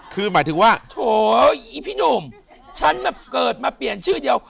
คือหมายถึงว่าโถอีพี่หนุ่มฉันแบบเกิดมาเปลี่ยนชื่อเดียว